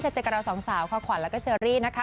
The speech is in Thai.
เจอกับเราสองสาวค่ะขวัญแล้วก็เชอรี่นะคะ